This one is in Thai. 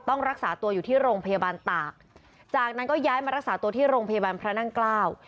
ต้องรักษาตัวอยู่ที่โรงพยาบาลตากจากนั้นก็ย้ายมารักษาตัวที่โรงพยาบาลพระนั่งเกล้า